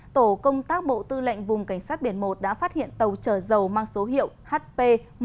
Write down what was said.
tổ công tác bộ tư lệnh vùng cảnh sát biển một đã phát hiện tàu chở dầu mang số hiệu hp một nghìn bảy trăm linh hai